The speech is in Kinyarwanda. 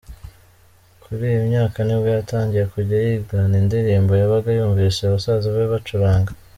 Kuri iyi myaka nibwo yatangiye kujya yigana indirimbo yabaga yumvise basaza be bacuranga.